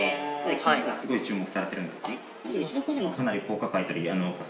金がすごい注目されてるんですね。